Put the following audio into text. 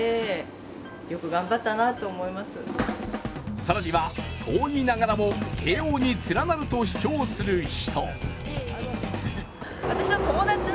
更には、遠いながらも慶応につながると主張する人。